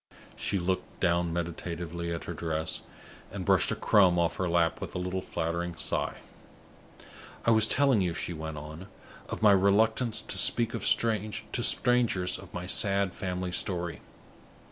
She looked down meditatively at her dress, and brushed a crumb off her lap with a little flattering sigh. "I was telling you," she went on, "of my reluctance to speak to strangers of my sad family story.